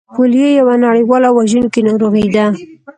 پولیو یوه نړیواله وژونکې ناروغي ده